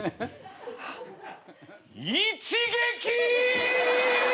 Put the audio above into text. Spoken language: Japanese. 一撃！？